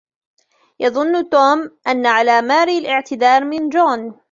يظن توم أن على ماري الاعتذار من جون.